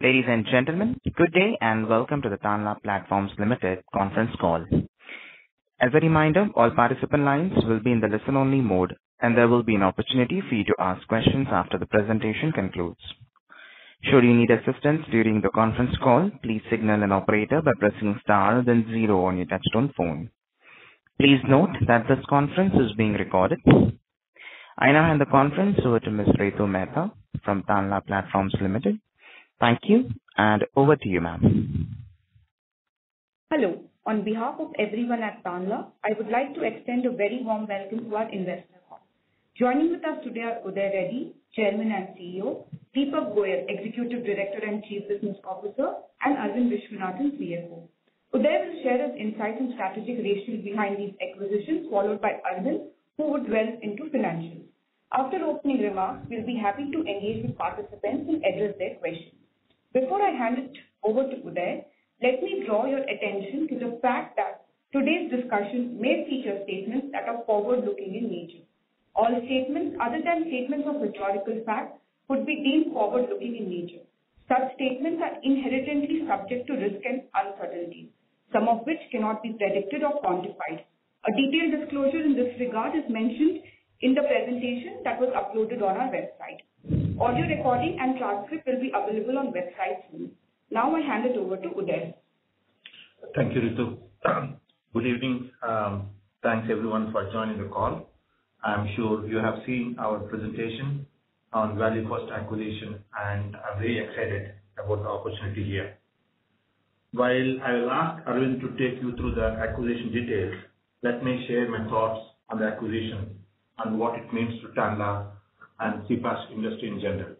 Ladies and gentlemen, good day, and welcome to the Tanla Platforms Limited conference call. As a reminder, all participant lines will be in the listen-only mode, and there will be an opportunity for you to ask questions after the presentation concludes. Should you need assistance during the conference call, please signal an operator by pressing S then zero on your touchtone phone. Please note that this conference is being recorded. I now hand the conference over to Ms. Ritu Mehta from Tanla Platforms Limited. Thank you, and over to you, ma'am. Hello. On behalf of everyone at Tanla, I would like to extend a very warm welcome to our investor call. Joining with us today are Uday Reddy, Chairman and CEO, Deepak Goyal, Executive Director and Chief Business Officer, and Aravind Viswanathan, CFO. Uday will share his insights and strategic rationale behind these acquisitions, followed by Arvind, who would delve into financials. After opening remarks, we'll be happy to engage with participants and address their questions. Before I hand it over to Uday, let me draw your attention to the fact that today's discussion may feature statements that are forward-looking in nature. All statements other than statements of historical fact could be deemed forward-looking in nature. Such statements are inherently subject to risk and uncertainty, some of which cannot be predicted or quantified. A detailed disclosure in this regard is mentioned in the presentation that was uploaded on our website. Audio recording and transcript will be available on website soon. Now I'll hand it over to Uday. Thank you, Ritu. Good evening. Thanks, everyone, for joining the call. I'm sure you have seen our presentation on ValueFirst acquisition, and I'm very excited about the opportunity here. While I will ask Aravind to take you through the acquisition details, let me share my thoughts on the acquisition and what it means to Tanla and CPaaS industry in general.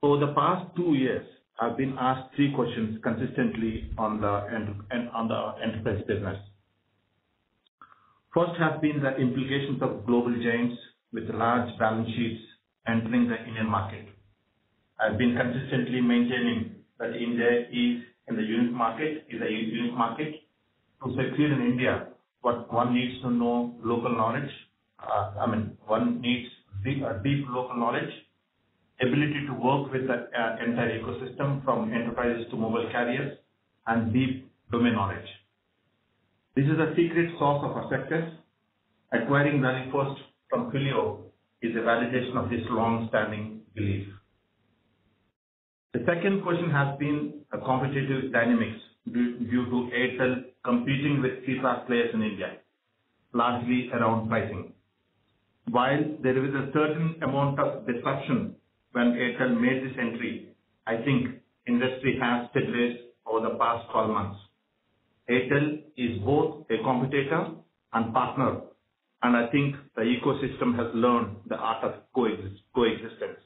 For the past 2 years, I've been asked three questions consistently on the enterprise business. First have been the implications of global giants with large balance sheets entering the Indian market. I've been consistently maintaining that India is a unique market. To succeed in India, one needs to know local knowledge. I mean, one needs deep local knowledge, ability to work with the entire ecosystem, from enterprises to mobile carriers, and deep domain knowledge. This is a secret sauce of our success. Acquiring ValueFirst from Twilio is a validation of this long-standing belief. The second question has been the competitive dynamics due to Airtel competing with CPaaS players in India, largely around pricing. While there is a certain amount of disruption when Airtel made this entry, I think industry has stabilized over the past twelve months. Airtel is both a competitor and partner, and I think the ecosystem has learned the art of coexistence.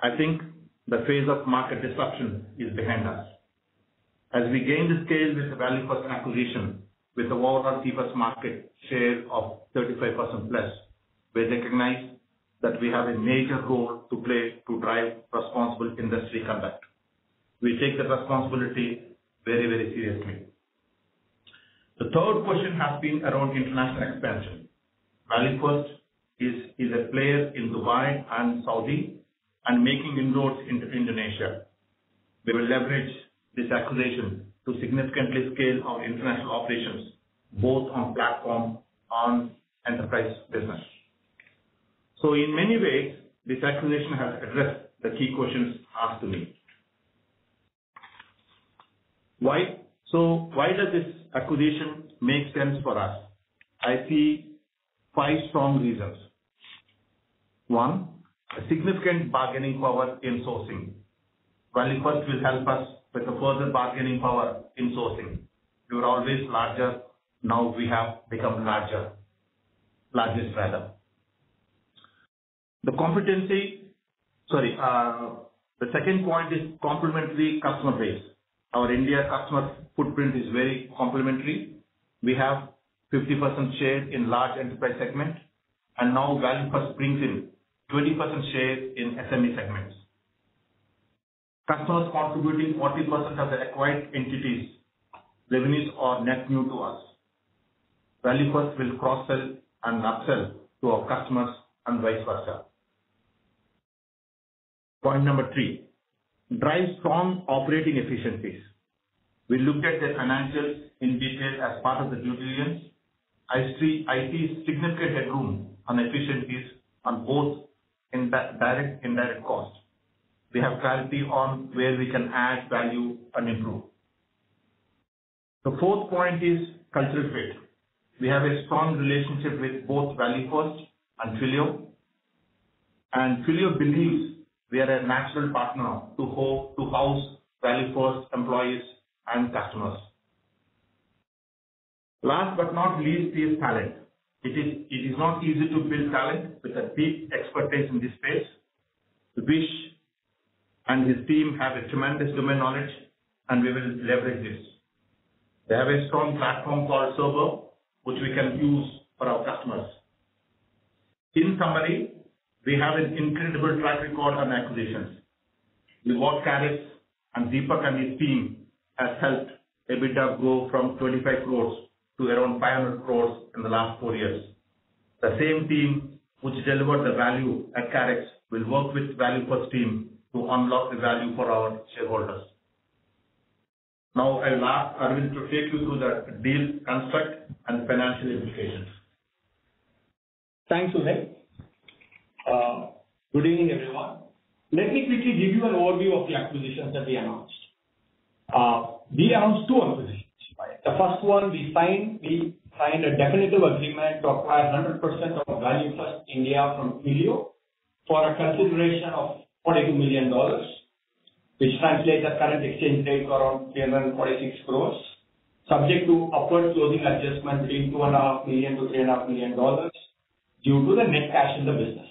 I think the phase of market disruption is behind us. As we gain the scale with the ValueFirst acquisition, with the overall CPaaS market share of 35%+, we recognize that we have a major role to play to drive responsible industry conduct. We take the responsibility very seriously. The third question has been around international expansion. ValueFirst is a player in Dubai and Saudi, and making inroads into Indonesia. We will leverage this acquisition to significantly scale our international operations, both on platform, on enterprise business. In many ways, this acquisition has addressed the key questions asked to me. Why does this acquisition make sense for us? I see 5 strong reasons. 1. a significant bargaining power in sourcing. ValueFirst will help us with the further bargaining power in sourcing. We were always larger, now we have become larger, largest rather. The second point is complementary customer base. Our India customer footprint is very complementary. We have 50% share in large enterprise segment, now ValueFirst brings in 20% share in SME segments. Customers contributing 40% of the acquired entities' revenues are net new to us. ValueFirst will cross-sell and upsell to our customers and vice versa. Point number three, drive strong operating efficiencies. We looked at their financials in detail as part of the due diligence. I see significant headroom on efficiencies on both direct, indirect costs. We have clarity on where we can add value and improve. The fourth point is cultural fit. We have a strong relationship with both ValueFirst and Twilio, and Twilio believes we are a natural partner to house ValueFirst employees and customers. Last but not least, is talent. It is not easy to build talent with a deep expertise in this space. Vish and his team have a tremendous domain knowledge, and we will leverage this. They have a strong platform called Soblo, which we can use for our customers. In summary, we have an incredible track record on acquisitions. We work at it, and Deepak and his team has helped EBITDA go from ₹ 35 crores to around ₹ 500 crores in the last four years. The same team which delivered the value at Karix will work with ValueFirst team to unlock the value for our shareholders. Now I'll ask Arvind to take you through the deal construct and financial implications. Thanks, Uday. Good evening, everyone. Let me quickly give you an overview of the acquisitions that we announced. We announced two acquisitions, right? The first one, we signed a definitive agreement to acquire 100% of ValueFirst India from Twilio for a consideration of $42 million, which translates at current exchange rate around ₹ 346 crores, subject to upward closing adjustment between $2.5 million and $3.5 million, due to the net cash in the business.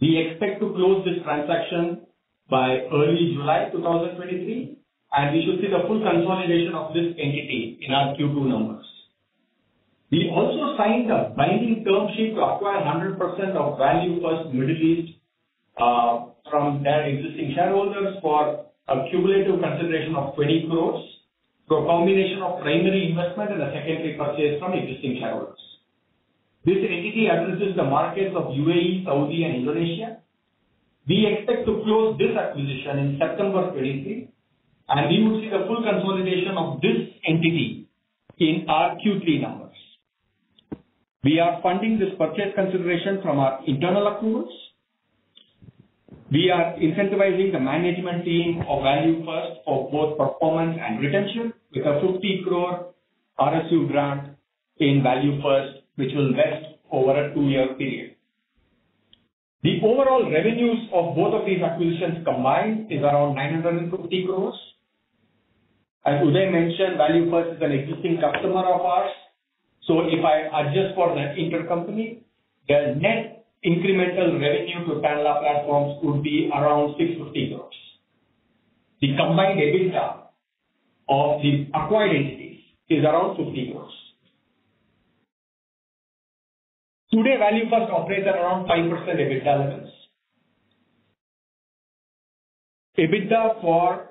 We expect to close this transaction by early July 2023. We should see the full consolidation of this entity in our Q2 numbers. We also signed a binding term sheet to acquire 100% of ValueFirst Middle East, from their existing shareholders for a cumulative consideration of ₹ 20 crores, through a combination of primary investment and a secondary purchase from existing shareholders. This entity addresses the markets of UAE, Saudi, and Indonesia. We expect to close this acquisition in September 2023, and we will see the full consolidation of this entity in our Q3 numbers. We are funding this purchase consideration from our internal accruals. We are incentivizing the management team of ValueFirst for both performance and retention, with a ₹ 50 crore RSU grant in ValueFirst, which will vest over a 2-year period. The overall revenues of both of these acquisitions combined is around ₹ 950 crores. As Uday mentioned, ValueFirst is an existing customer of ours, so if I adjust for net intercompany, the net incremental revenue to Tanla Platforms would be around ₹ 650 crores. The combined EBITDA of the acquired entities is around ₹ 50 crores. Today, ValueFirst operates at around 5% EBITDA levels. EBITDA for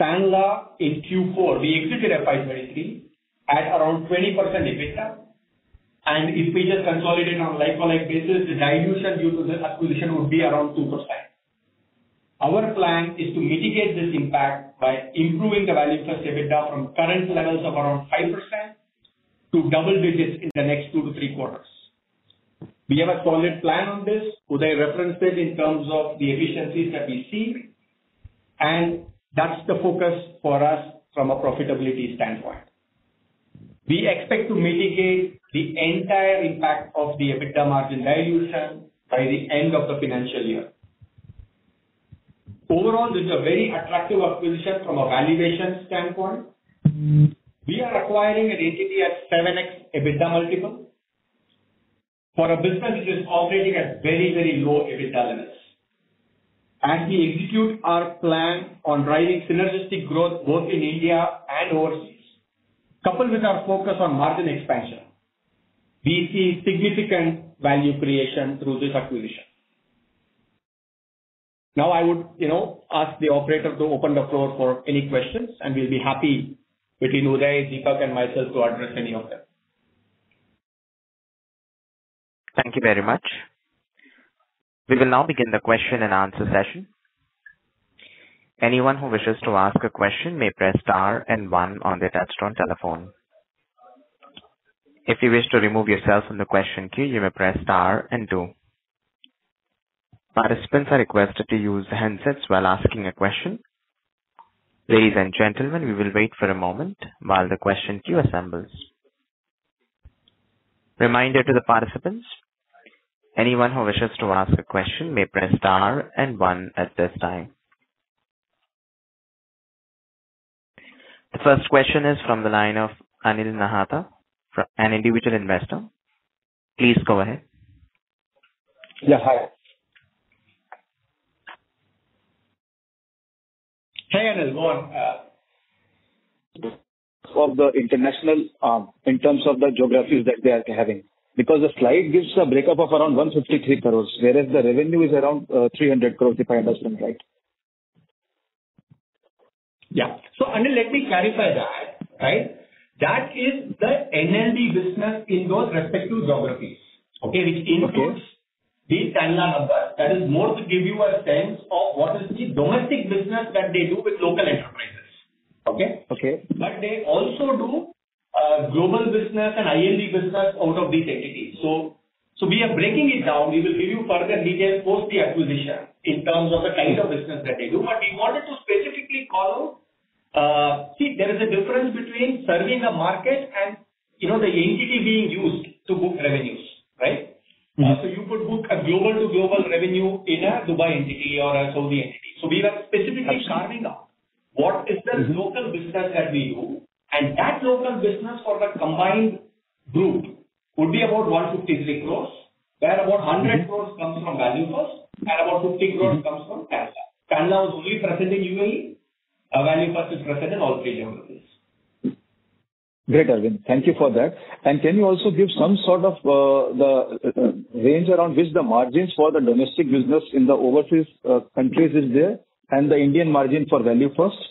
Tanla in Q4, we executed FY23 at around 20% EBITDA, and if we just consolidate on a like-for-like basis, the dilution due to this acquisition would be around 2%. Our plan is to mitigate this impact by improving the ValueFirst EBITDA from current levels of around 5% to double digits in the next 2 to 3 quarters. We have a solid plan on this. Uday referenced it in terms of the efficiencies that we see, and that's the focus for us from a profitability standpoint. We expect to mitigate the entire impact of the EBITDA margin dilution by the end of the financial year. Overall, this is a very attractive acquisition from a valuation standpoint. We are acquiring an entity at 7x EBITDA multiple for a business which is operating at very, very low EBITDA levels. As we execute our plan on driving synergistic growth both in India and overseas, coupled with our focus on margin expansion, we see significant value creation through this acquisition. I would, you know, ask the operator to open the floor for any questions, and we'll be happy between Uday, Deepak, and myself, to address any of them. Thank you very much. We will now begin the question and answer session. Anyone who wishes to ask a question may press S and one on their touchtone telephone. If you wish to remove yourself from the question queue, you may press S and two. Participants are requested to use handsets while asking a question. Ladies and gentlemen, we will wait for a moment while the question queue assembles. Reminder to the participants, anyone who wishes to ask a question may press S and one at this time. The first question is from the line of Anil Nahata, from an Individual Investor. Please go ahead. Yeah, hi. Hey, Anil, go on. Of the international, in terms of the geographies that they are having, because the slide gives a breakup of around ₹ 153 crores, whereas the revenue is around, ₹300 crores, if I understand right? Yeah. Anil, let me clarify that, right? That is the NLD business in those respective geographies, okay- Of course. Which includes the Tanla numbers. That is more to give you a sense of what is the domestic business that they do with local enterprises, okay? Okay. They also do global business and ILD business out of these entities. We are breaking it down. We will give you further details post the acquisition in terms of the kind of business that they do. We wanted to specifically call. See, there is a difference between serving a market and, you know, the entity being used to book revenues, right? Mm-hmm. You could book a global to global revenue in a Dubai entity or a Saudi entity. We were. Absolutely. Carving out what is the local business that we do, and that local business for the combined group would be about ₹ 153 crores, where about ₹ 100 crores comes from ValueFirst, and about ₹ 50 crores comes from Tanla. Tanla was only present in UAE, ValueFirst is present in all three geographies. Great, Arvind. Thank you for that. Can you also give some sort of, the, range around which the margins for the domestic business in the overseas, countries is there, and the Indian margin for ValueFirst?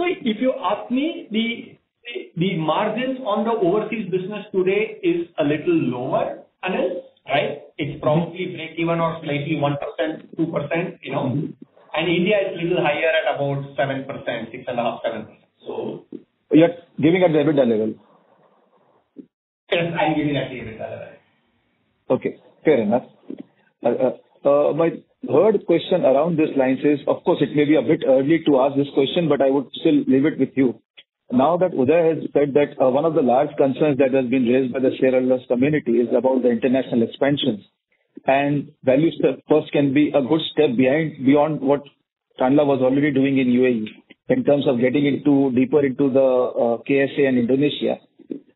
If you ask me, the margins on the overseas business today is a little lower, Anil, right? It's probably breakeven or slightly 1%, 2%, you know. India is little higher at about 7%, 6.5%, 7%. You're giving at EBITDA level? Yes, I'm giving at the EBITDA level. Okay, fair enough. My third question around these lines is, of course, it may be a bit early to ask this question, but I would still leave it with you. Now that Uday has said that, one of the large concerns that has been raised by the shareholders community is about the international expansions. ValueFirst can be a good step beyond what Tanla was already doing in UAE, in terms of getting into, deeper into the KSA and Indonesia.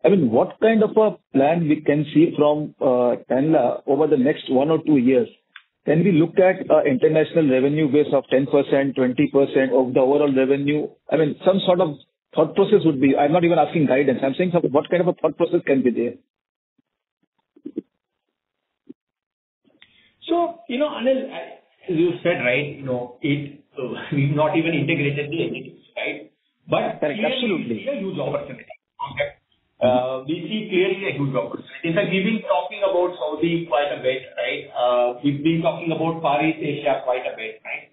I mean, what kind of a plan we can see from Tanla over the next 1 or 2 years? Can we look at international revenue base of 10%, 20% of the overall revenue? I mean, some sort of thought process would be, I'm not even asking guidance. I'm saying some, what kind of a thought process can be there? you know, Anil, I, as you said, right, you know, it we've not even integrated the entities, right? Correct. Absolutely. We see a huge opportunity. Okay? We see clearly a huge opportunity. In fact, we've been talking about Saudi quite a bit, right? We've been talking about Far East Asia quite a bit, right?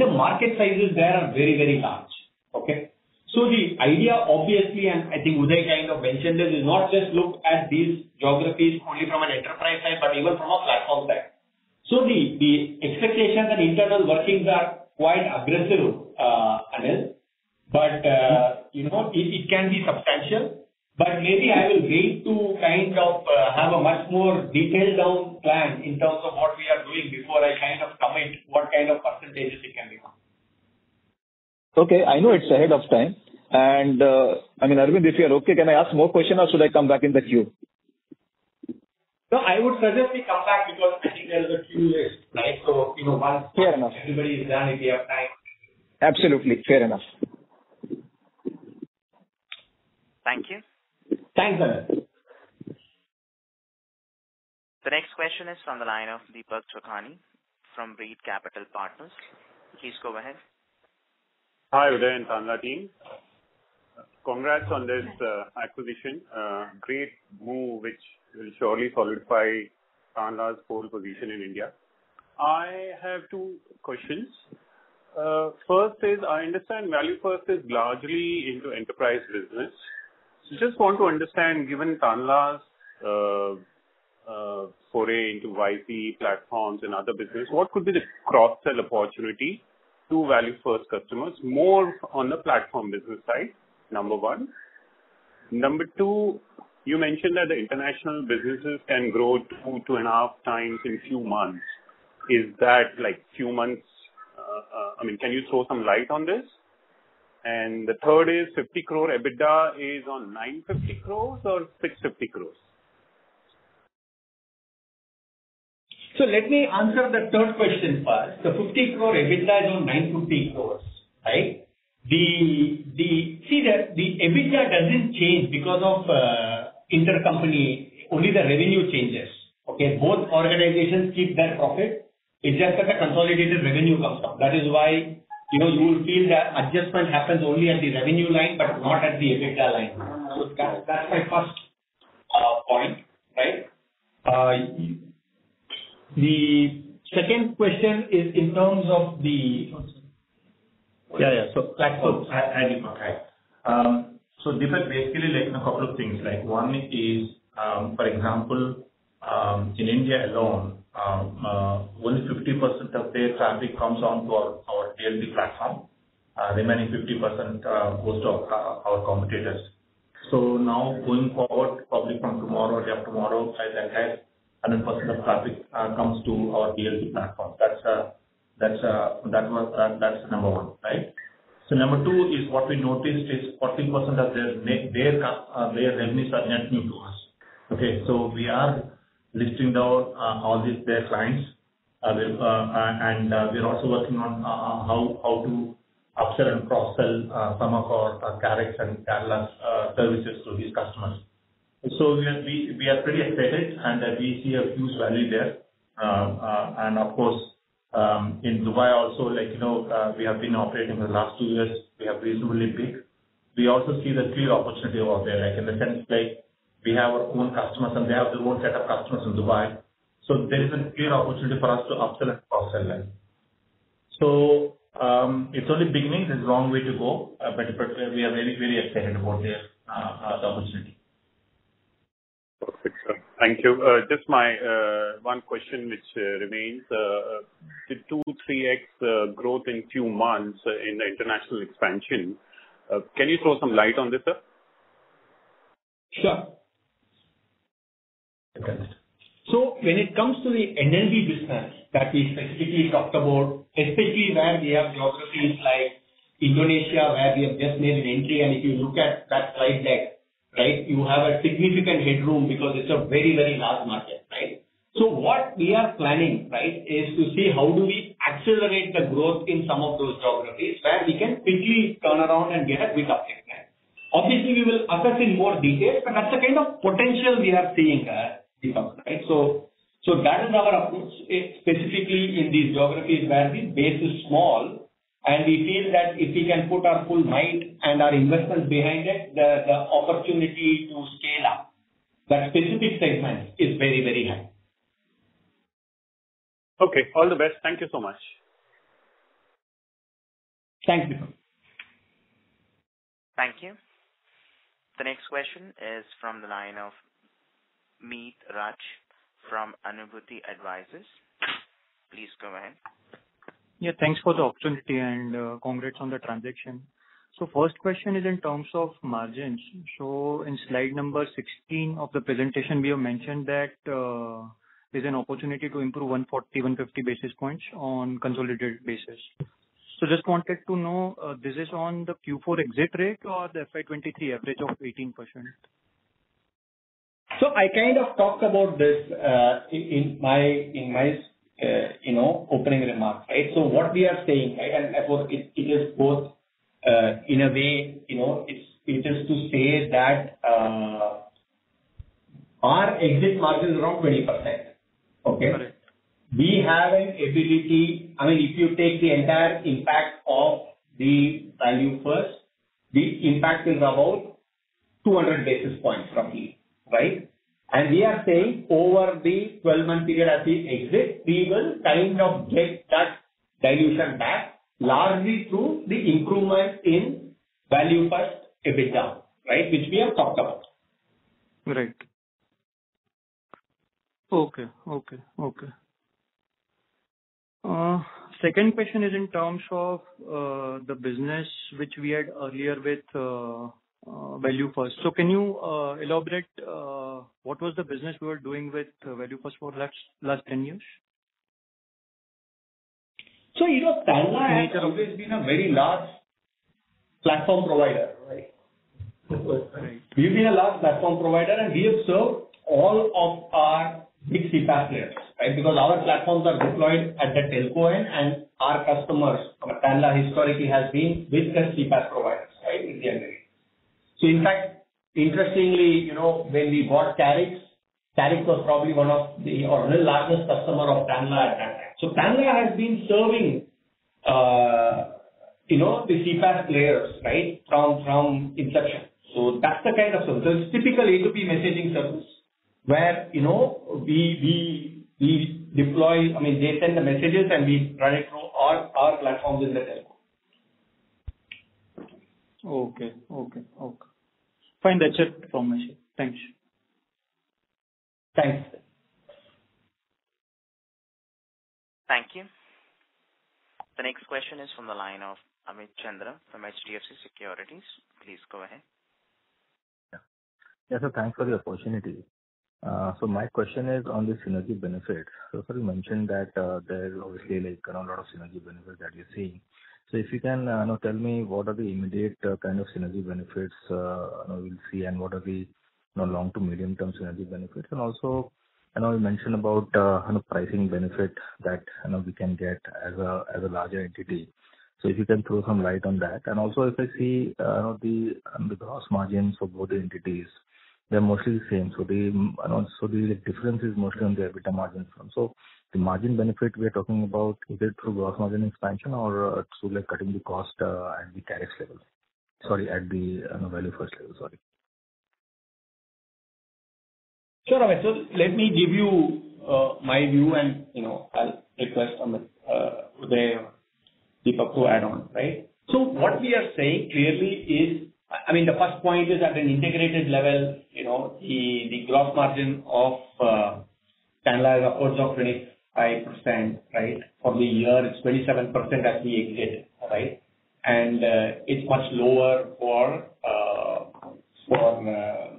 The market sizes there are very, very large. Okay? The idea, obviously, and I think Uday kind of mentioned this, is not just look at these geographies only from an enterprise side, but even from a platform side. The, the expectations and internal workings are quite aggressive, Anil, but, you know, it can be substantial, but maybe I will wait to kind of, have a much more detailed out plan in terms of what we are doing before I kind of comment what kind of percentages it can become. Okay. I know it's ahead of time, and I mean, Arvind, if you are okay, can I ask more question or should I come back in the queue? I would suggest we come back because I think there is a queue here, right? You know. Fair enough. everybody is done, if you have time. Absolutely. Fair enough. Thank you. Thanks, Anil. The next question is from the line of Deepak Chokhani from Reed Capital Partners. Please go ahead. Hi, Uday and Tanla team. Congrats on this acquisition. Great move, which will surely solidify Tanla's pole position in India. I have two questions. First is, I understand ValueFirst is largely into enterprise business. Just want to understand, given Tanla's foray into IP platforms and other business, what could be the cross-sell opportunity to ValueFirst customers? More on the platform business side, number one. Number two, you mentioned that the international businesses can grow 2 to two and a half times in few months. Is that, like, few months? I mean, can you throw some light on this? The third is, ₹ 50 crore EBITDA is on ₹ 950 crore or ₹ 650 crore? Let me answer the third question first. The ₹ 50 crore EBITDA is on ₹ 950 crores, right? See, the EBITDA doesn't change because of intercompany, only the revenue changes, okay? Both organizations keep their profit. It's just that the consolidated revenue comes down. That is why, you know, you will feel that adjustment happens only at the revenue line, but not at the EBITDA line. That's my first point, right? The second question is in terms of the Yeah, yeah. Platforms. Okay. This is basically like a couple of things. One is, for example, in India alone, only 50% of their traffic comes onto our DLT platform. Remaining 50% goes to our competitors. Going forward, probably from tomorrow or day after tomorrow, days ahead, 100% of traffic comes to our DLT platform. That's that's that was that that's number one, right? Number two is what we noticed is 40% of their their revenues are net new to us. Okay, so we are listing down all these their clients, and we are also working on how how to upsell and cross-sell some of our Karix and Tanla's services to these customers. We are pretty excited, and we see a huge value there. Of course, in Dubai also, like, you know, we have been operating the last two years, we are reasonably big. We also see the clear opportunity over there, like, in the sense, like, we have our own customers and they have their own set of customers in Dubai. There is a clear opportunity for us to upsell and cross-sell there. It's only beginning. There's a long way to go, but particularly we are very, very excited about their the opportunity. Perfect, sir. Thank you. Just my one question which remains the 2, 3x growth in few months in the international expansion, can you throw some light on this, sir? Sure. Okay. When it comes to the NLD business that we specifically talked about, especially where we have geographies like Indonesia, where we have just made an entry, and if you look at that slide deck, right, you have a significant headroom because it's a very, very large market, right? What we are planning, right, is to see how do we accelerate the growth in some of those geographies where we can quickly turn around and get a big opportunity. Obviously, we will assess in more detail, but that's the kind of potential we are seeing, Deepak, right? That is our approach, specifically in these geographies where the base is small, and we feel that if we can put our full might and our investments behind it, the opportunity to scale up that specific segment is very, very high. Okay. All the best. Thank you so much. Thanks, Deepak. Thank you. The next question is from the line of Meet Raj from Anubhuti Advisors. Please go ahead. Yeah, thanks for the opportunity and congrats on the transaction. First question is in terms of margins. In slide number 16 of the presentation, we have mentioned that there's an opportunity to improve 140, 150 basis points on consolidated basis. Just wanted to know, this is on the Q4 exit rate or the FY23 average of 18%? I kind of talked about this, in my, you know, opening remarks. What we are saying, right, and it is both, in a way, you know, it's, it is to say that, our exit margin is around 20%. Got it. We have an ability. I mean, if you take the entire impact of the ValueFirst, the impact is about 200 basis points from here, right? We are saying over the 12-month period as we exit, we will kind of get that dilution back, largely through the improvement in ValueFirst EBITDA, right? Which we have talked about. Right. Okay. Okay, okay. Second question is in terms of the business which we had earlier with ValueFirst. Can you elaborate what was the business we were doing with ValueFirst for the last 10 years? you know, Tanla has always been a very large platform provider, right? Right. We've been a large platform provider, and we have served all of our big CPaaS players, right? Because our platforms are deployed at the telco end, and our customers from Tanla historically has been business CPaaS providers, right, in generally. In fact, interestingly, you know, when we bought Karix was probably one of the our largest customer of Tanla at that time. Tanla has been serving, you know, the CPaaS players, right, from inception. That's the kind of service. It's typically it could be messaging service, where, you know, I mean, they send the messages and we run it through our platforms with the telco. Okay. Okay. Fine, that's just confirmation. Thanks. Thanks. Thank you. The next question is from the line of Amit Chandra from HDFC Securities. Please go ahead. Yeah. Yes, sir, thanks for the opportunity. My question is on the synergy benefit. Sir, you mentioned that there is obviously like a lot of synergy benefit that you're seeing. If you can, now tell me, what are the immediate kind of synergy benefits, you know, we'll see, and what are the, you know, long to medium-term synergy benefits? I know you mentioned about kind of pricing benefit that, you know, we can get as a, as a larger entity. If you can throw some light on that. If I see the gross margins for both the entities, they're mostly the same. The and also the difference is mostly on the EBITDA margins. The margin benefit we are talking about, either through gross margin expansion or through, like, cutting the cost, at the Karix level. Sorry, at the, ValueFirst level. Sorry. Sure, Amit. Let me give you, my view and, you know, I'll request from Uday or Deepak to add on, right? What we are saying clearly is... I mean, the first point is, at an integrated level, you know, the gross margin of Tanla is, of course, 25%, right? For the year, it's 27% as we exit, right? It's much lower for ValueFirst,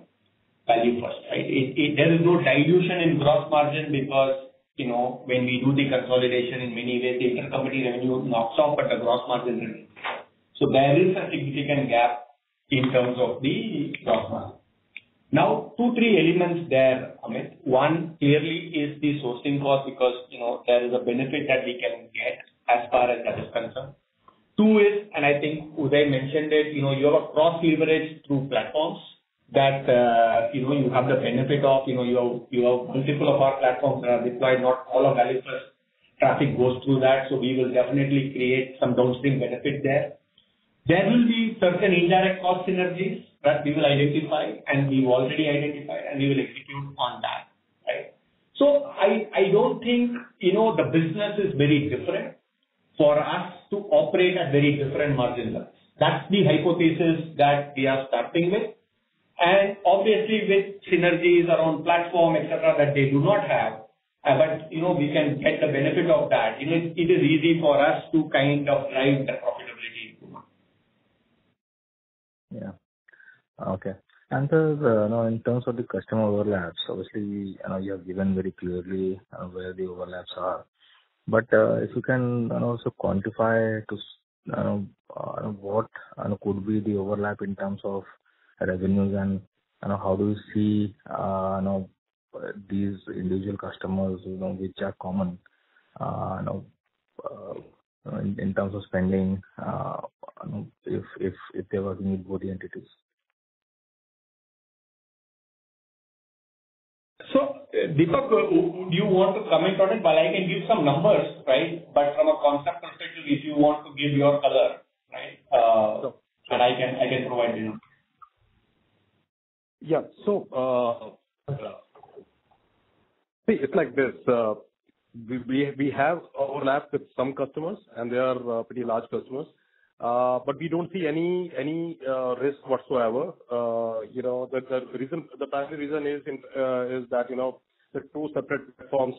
right? There is no dilution in gross margin because, you know, when we do the consolidation, in many ways, the intercompany revenue knocks off, but the gross margin remains. There is a significant gap in terms of the gross margin. Two, three elements there, Amit. One, clearly, is the sourcing cost, because, you know, there is a benefit that we can get as far as that is concerned. Two is, I think Uday mentioned it, you know, you have cross-leverage through platforms that, you know, you have the benefit of, you know, you have multiple of our platforms that are deployed, not all of ValueFirst traffic goes through that, so we will definitely create some downstream benefit there. There will be certain indirect cost synergies that we will identify, and we've already identified, and we will execute on that, right? I don't think, you know, the business is very different for us to operate at very different margin levels. That's the hypothesis that we are starting with. Obviously, with synergies around platform, et cetera, that they do not have, but, you know, we can get the benefit of that. It is easy for us to kind of drive the profitability improvement. Yeah. Okay. You know, in terms of the customer overlaps, obviously, you have given very clearly where the overlaps are. If you can also quantify to what could be the overlap in terms of revenues and, you know, how do you see, you know, these individual customers, you know, which are common, you know, in terms of spending, you know, if there were any both the entities? Deepak, do you want to comment on it? I can give some numbers, right? From a concept perspective, if you want to give your color, right. Sure. I can provide, you know. Yeah. see, it's like this, we have overlapped with some customers, and they are, pretty large customers. We don't see any risk whatsoever. you know, the reason, the primary reason is that, you know, they're two separate platforms.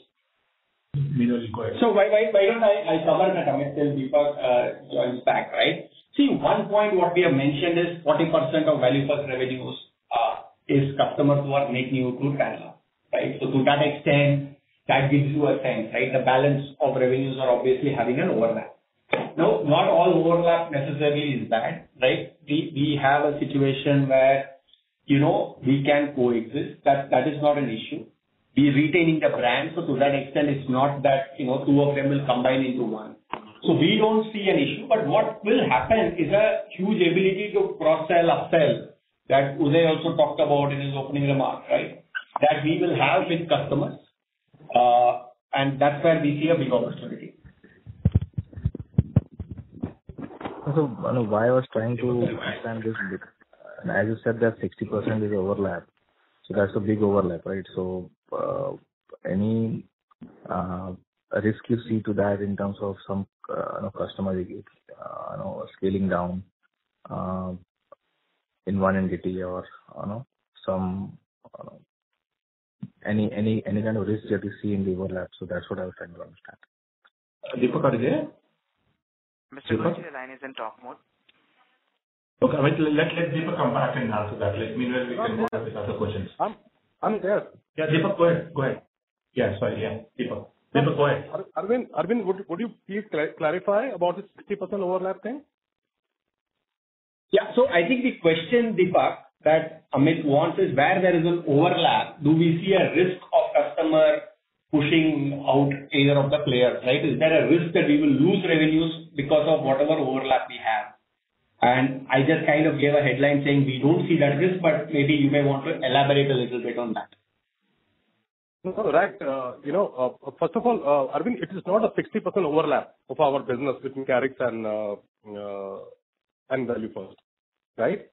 You know, required. Why don't I cover that until Deepak joins back, right? See, one point what we have mentioned is 40% of ValueFirst revenues is customers who are making you good catalog, right? To that extent, that gives you a sense, right? The balance of revenues are obviously having an overlap. Not all overlap necessarily is bad, right? We have a situation where, you know, we can coexist. That is not an issue. We're retaining the brand, so to that extent, it's not that, you know, two of them will combine into one. We don't see an issue, but what will happen is a huge ability to cross-sell, upsell, that Uday also talked about in his opening remarks, right? That we will have with customers, and that's where we see a big opportunity. I know why I was trying to understand this a bit. As you said, that 60% is overlap, so that's a big overlap, right? Any risk you see to that in terms of some, you know, customer, you know, scaling down in one entity or, you know, some any kind of risk that you see in the overlap? That's what I was trying to understand. Deepak is there? Mr. Deepak, your line is in talk mode. Okay, let Deepak come back and answer that. Let me know if we can go with other questions. I'm there. Yeah, Deepak, go ahead. Yeah, sorry. Yeah, Deepak, go ahead. Aravind, would you please clarify about this 60% overlap thing? Yeah. I think the question, Deepak, that Amit wants, is where there is an overlap, do we see a risk of customer pushing out either of the players, right? Is there a risk that we will lose revenues because of whatever overlap we have? I just kind of gave a headline saying we don't see that risk, but maybe you may want to elaborate a little bit on that. No, right. You know, Arvind, it is not a 60% overlap of our business between Karix and ValueFirst, right?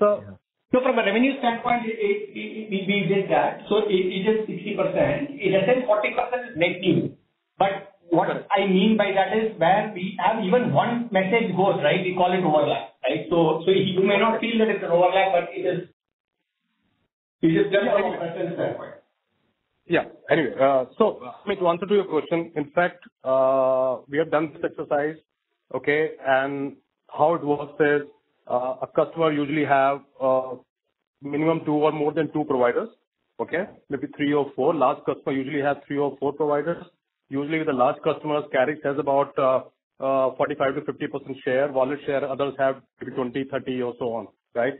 No, from the revenue standpoint, it, we did that. It's just 60%. In a sense, 40% is negative. What I mean by that is where we have even 1 message goes, right, we call it overlap, right? You may not feel that it's an overlap, but it is. It's just our presence there. Anyway, so Amit, to answer to your question, in fact, we have done this exercise, okay? How it works is, a customer usually have minimum two or more than two providers, okay? Maybe three or four. Last customer usually have three or four providers. Usually, the last customers, Karix has about 45%-50% share, wallet share. Others have maybe 20, 30, or so on, right?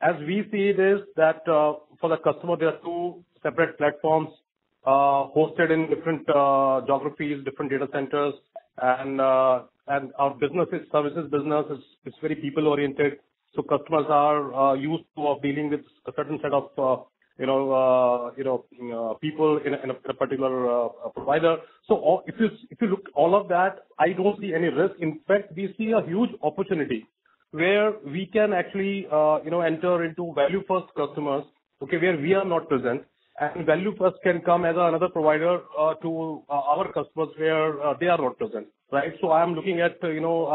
As we see it is that, for the customer, there are 2 separate platforms, hosted in different geographies, different data centers. Our business is services business. It's very people-oriented, so customers are used to of dealing with a certain set of, you know, you know, people in a particular provider. So all... If you look at all of that, I don't see any risk. In fact, we see a huge opportunity where we can actually, you know, enter into ValueFirst customers, okay, where we are not present, and ValueFirst can come as another provider to our customers where they are not present, right? I am looking at, you know,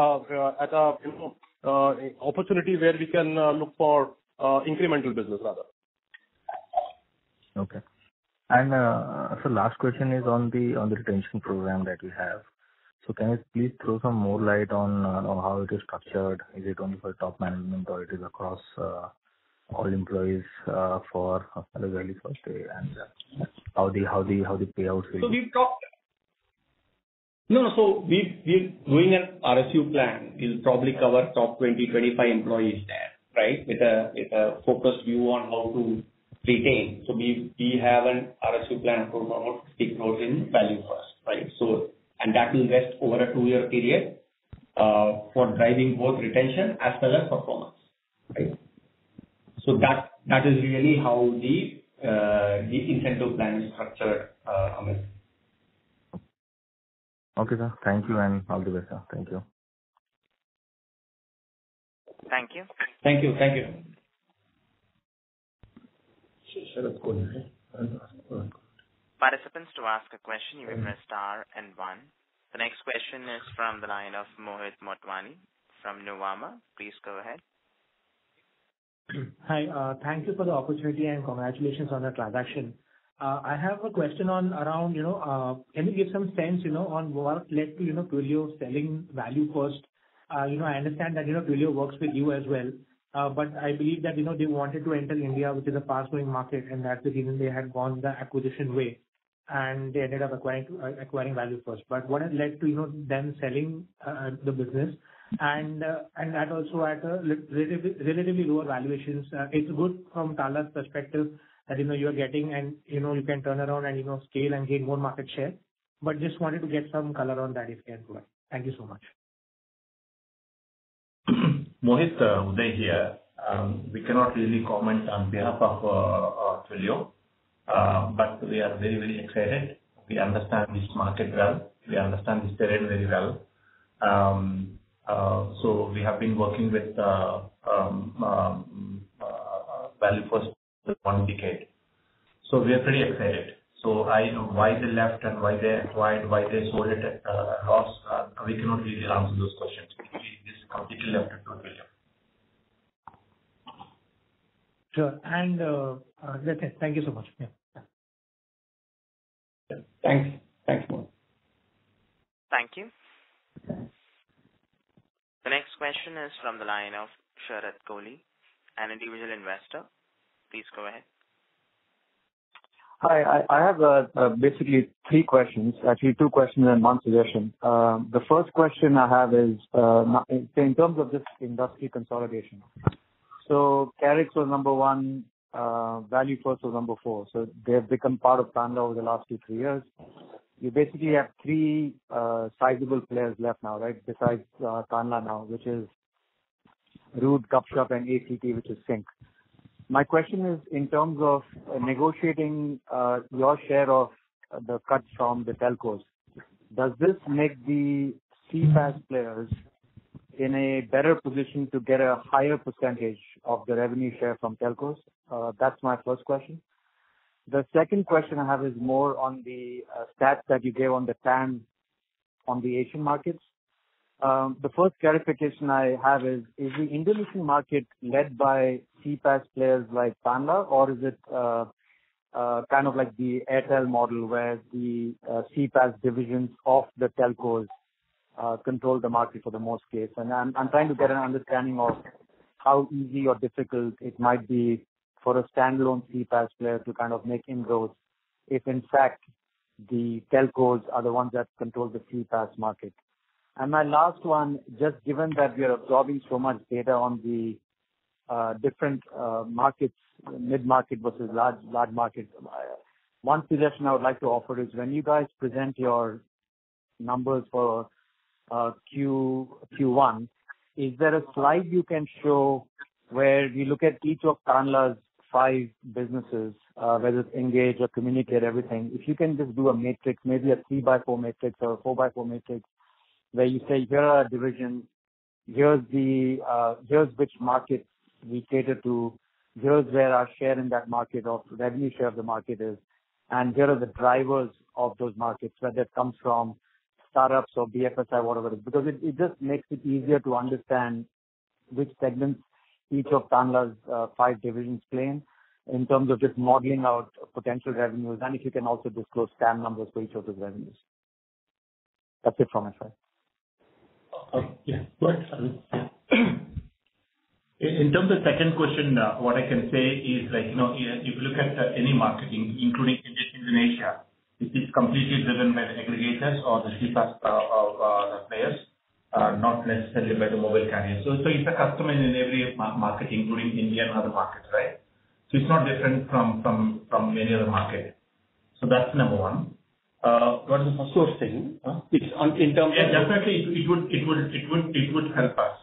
at a, you know, opportunity where we can look for incremental business rather. Okay. Last question is on the retention program that you have. Can you please throw some more light on how it is structured? Is it only for top management, or it is across all employees for the ValueFirst, and how the payouts is? We've doing an RSU plan. We'll probably cover top 20-25 employees there, right? With a focused view on how to retain. We have an RSU plan for about 60,000 ValueFirst, right? That will rest over a two-year period for driving both retention as well as performance, right? That is really how the incentive plan is structured, Amit. Okay, sir. Thank you and all the best, sir. Thank you. Thank you. Thank you. Thank you. Sure, of course. Participants, to ask a question, you may press S and one. The next question is from the line of Mohit Motwani from Nuvama. Please go ahead. Hi, thank you for the opportunity and congratulations on the transaction. I have a question on around, you know, can you give some sense, you know, on what led to, you know, Twilio selling ValueFirst? You know, I understand that, you know, Twilio works with you as well, but I believe that, you know, they wanted to enter India, which is a fast-growing market, and that's the reason they had gone the acquisition way, and they ended up acquiring ValueFirst. What has led to, you know, them selling the business and that also at a relatively lower valuations? It's good from Tanla's perspective that, you know, you are getting and, you know, you can turn around and, you know, scale and gain more market share. Just wanted to get some color on that, if you can. Thank you so much. Mohit, Uday here. We cannot really comment on behalf of Twilio, but we are very, very excited. We understand this market well. We understand this very, very well. We have been working with ValueFirst for one decade, so we are pretty excited. I know why they left and why they sold it at loss, we cannot really answer those questions. It is completely up to Twilio. Sure. Thank you so much. Yeah. Thanks. Thanks, Mohit. Thank you. Thanks. The next question is from the line of Sharad Kohli, an individual investor. Please go ahead. Hi, I have basically three questions, actually two questions and 1 suggestion. The first question I have is in terms of this industry consolidation. Karix was number one, ValueFirst was number four, so they've become part of Tanla over the last two, three years. You basically have three sizable players left now, right? Besides, Tanla now, which is Root, Gupshup and ACL, which is Sinch. My question is, in terms of negotiating your share of the cuts from the telcos, does this make the CPaaS players in a better position to get a higher percentage of the revenue share from telcos? That's my first question. The second question I have is more on the stats that you gave on the TAM on the Asian markets. The first clarification I have is the Indonesian market led by CPaaS players like Tanla, or is it kind of like the Airtel model, where the CPaaS divisions of the telcos control the market for the most case? I'm trying to get an understanding of how easy or difficult it might be for a standalone CPaaS player to kind of make inroads, if in fact, the telcos are the ones that control the CPaaS market. My last one, just given that we are absorbing so much data on the different markets, mid-market versus large markets. One suggestion I would like to offer is when you guys present your numbers for Q1, is there a slide you can show where we look at each of Tanla's five businesses, whether it's Engage or Communicate, everything. If you can just do a matrix, maybe a 3-by-4 matrix or a 4-by-4 matrix, where you say, "Here are our divisions, here's the, here's which markets we cater to, here's where our share in that market or revenue share of the market is, and here are the drivers of those markets, whether it comes from startups or BFSI, whatever it is." It just makes it easier to understand which segments each of Tanla's five divisions play in terms of just modeling out potential revenues, and if you can also disclose TAM numbers for each of those revenues. That's it from my side. Yeah, right. In terms of second question, what I can say is that, you know, if you look at any market, including Indonesia, it is completely driven by the aggregators or the CPaaS players, not necessarily by the mobile carrier. It's a custom in every market, including India and other markets, right? It's not different from any other market. That's number one. What is the first thing? It's on, in terms of- Yeah, definitely, it would help us.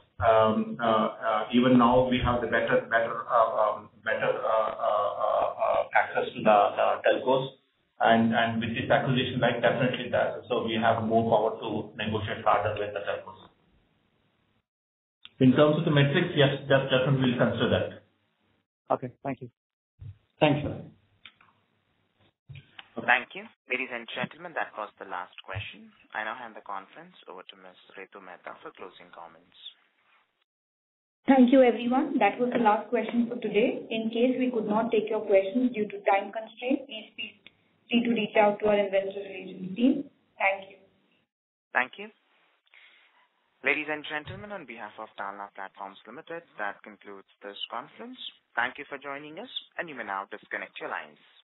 Even now, we have better access to the telcos, and with this acquisition, that definitely does. We have more power to negotiate farther with the telcos. In terms of the metrics, yes, definitely, we'll consider that. Okay. Thank you. Thanks, Sharad. Thank you. Ladies and gentlemen, that was the last question. I now hand the conference over to Ms. Ritu Mehta for closing comments. Thank you, everyone. That was the last question for today. In case we could not take your questions due to time constraint, please feel free to reach out to our investor relations team. Thank you. Thank you. Ladies and gentlemen, on behalf of Tanla Platforms Limited, that concludes this conference. Thank you for joining us, and you may now disconnect your lines.